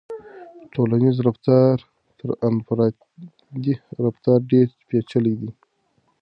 ټولنیز رفتار تر انفرادي رفتار ډېر پیچلی دی.